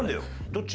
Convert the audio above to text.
どっち？